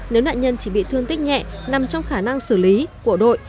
nếu nạn nhân chỉ bị thương tích nhẹ nằm trong khả năng xử lý của đội